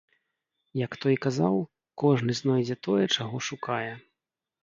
Як той казаў, кожны знойдзе тое, чаго шукае.